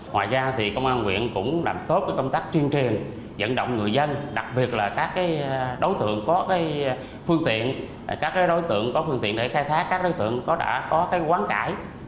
ngoài ra thì công an quyện cũng làm tốt công tác chuyên truyền dẫn động người dân đặc biệt là các đối tượng có phương tiện các đối tượng có phương tiện để khai thác các đối tượng đã có quán cãi